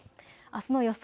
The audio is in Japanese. あすの予想